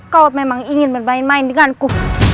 kau memang ingin bermain main denganku